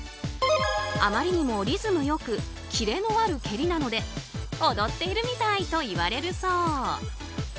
あまりにもリズム良くキレのある蹴りなので踊っているみたいと言われるそう。